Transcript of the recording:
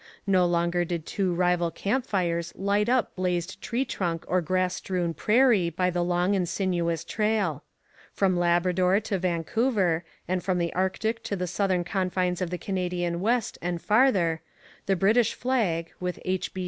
No longer did two rival camp fires light up blazed tree trunk or grass strewn prairie by the long and sinuous trail. From Labrador to Vancouver, and from the Arctic to the southern confines of the Canadian West and farther, the British flag, with H.